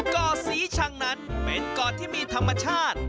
เกาะศรีชังนั้นเป็นเกาะที่มีธรรมชาติ